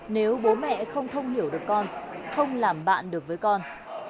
nếu bố mẹ không thông hiểu được con không làm bạn được với con